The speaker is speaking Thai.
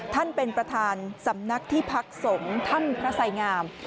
ท่านเป็นประธานสำนักที่พักสงฆ์ถ้ำพระสัยงาม